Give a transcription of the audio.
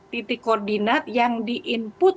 titik koordinat yang di input